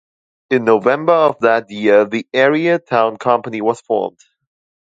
In November of that year the Erie Town Company was formed.